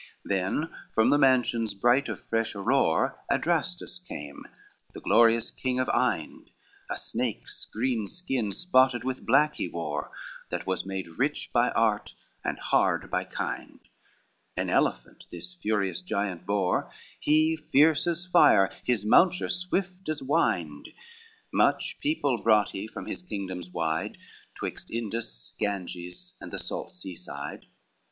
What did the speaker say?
XXVIII Then from the mansions bright of fresh Aurore Adrastus came, the glorious king of Ind, A snake's green skin spotted with black he wore, That was made rich by art and hard by kind, An elephant this furious giant bore, He fierce as fire, his mounture swift as wind; Much people brought he from his kingdoms wide, Twixt Indus, Ganges, and the salt seaside.